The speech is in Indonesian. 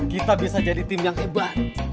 kita bisa jadi tim yang hebat